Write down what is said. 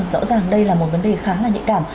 rõ ràng đây là một vấn đề khá là nhạy cảm